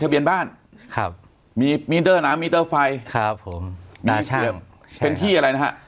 ทะเบียนบ้านครับมีน้ำมีเตอร์ไฟครับผมเป็นที่อะไรนะฮะ